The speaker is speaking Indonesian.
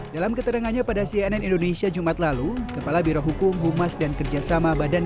dalam keterangannya pada cnn indonesia jumat lalu kepala birohukum humas dan kerjasama badan